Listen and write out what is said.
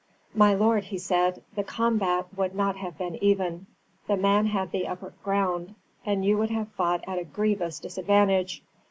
"My lord," he said, "the combat would not have been even; the man had the upper ground, and you would have fought at a grievous disadvantage.